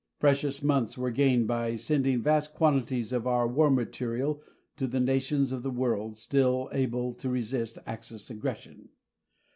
Precious months were gained by sending vast quantities of our war material to the nations of the world still able to resist Axis aggression.